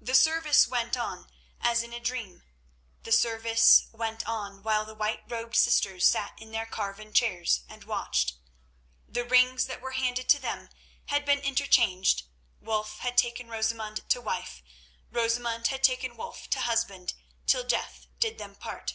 The service went on—as in a dream, the service went on, while the white robed sisters sat in their carven chairs and watched. The rings that were handed to them had been interchanged; Wulf had taken Rosamund to wife, Rosamund had taken Wulf to husband, till death did them part.